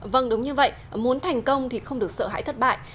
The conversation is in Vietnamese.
vâng đúng như vậy muốn thành công thì không được sợ hãi thất bại